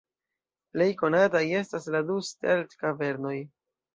Plej konataj estas la du Sterl-kavernoj.